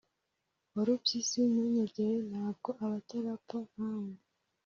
Warupyisi ntunyegere, ntabwo abatarapfa nka we